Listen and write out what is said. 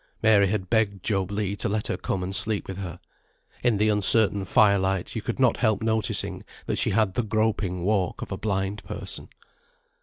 Mary had begged Job Legh to let her come and sleep with her. In the uncertain fire light you could not help noticing that she had the groping walk of a blind person.